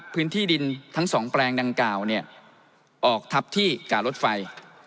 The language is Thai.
พื้นที่ดินทั้ง๒แปลงดังเก่าออกทับที่กะลดไฟ